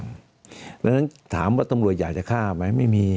เพราะฉะนั้นถามว่าตำรวจอยากจะฆ่าไหมไม่มี